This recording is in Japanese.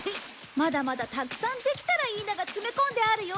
まだまだたくさん「できたらいいな」が詰め込んであるよ！